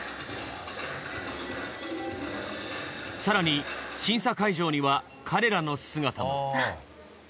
更に審査会場には彼らの姿も。